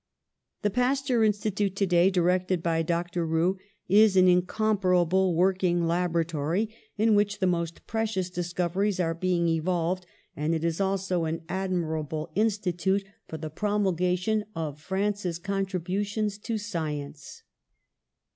The Pasteur Institute, today directed by Dr. Roux, is an incomparable working laboratory, in which the most precious discoveries are being evolved, and it is also an admirable instrument THE PASTEUR INSTITUTE 187 for the promulgation of France's contributions to science.